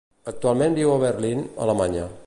Actualment viu a Berlín, Alemanya.